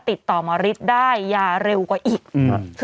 ติดต่อหมอฤทธิ์ได้อย่าเร็วกว่าอีก